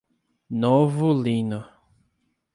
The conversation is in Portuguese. Novo Lino